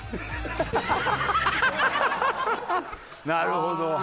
なるほど。